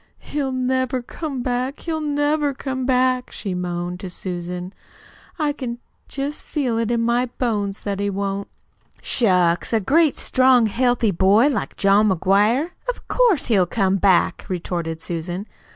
"He'll never come back, he'll never come back," she moaned to Susan. "I can just feel it in my bones that he won't." "Shucks, a great, strong, healthy boy like John McGuire! Of course, he'll come back," retorted Susan.